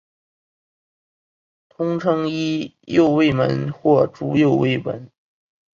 通称伊又卫门或猪右卫门。